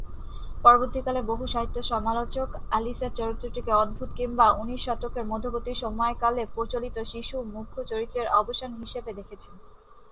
পরবর্তীকালে বহু সাহিত্য সমালোচক অ্যালিসের চরিত্রটিকে অদ্ভুত কিংবা উনিশ শতকের মধ্যবর্তী সময়কালে প্রচলিত শিশু মুখ্য চরিত্রের অবসান হিসেবে দেখেছেন।